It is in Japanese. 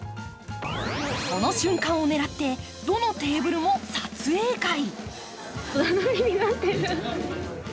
その瞬間を狙ってどのテーブルも撮影会。